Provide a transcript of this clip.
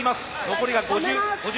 残りが５０秒。